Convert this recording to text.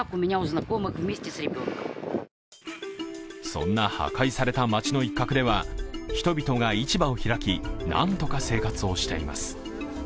そんな破壊された街の一角では、人々が市場を開き、何とか生活をしています。